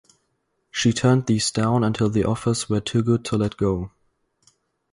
She turned these down until the offers were too good to let go.